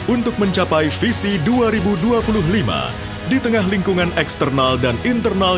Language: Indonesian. untuk mencapai visi dua ribu dua puluh lima di tengah lingkungan eksternal dan internal